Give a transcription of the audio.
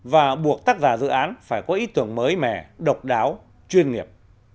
và buộc tác giả dự án phải có ý tưởng mới mẻ độc đáo chuyên nghiệp